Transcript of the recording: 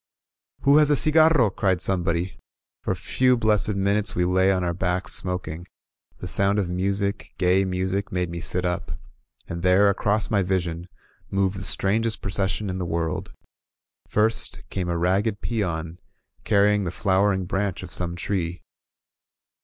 "Who has a cigarro?" cried somebody. For a few blessed minutes we lay on oui backs smoking. The sound of music — ^gay music — ^made me sit up. And there, across my vision, moved the strangest proces sion in the world. First came a ragged peon carrying the flowering branch of some tree.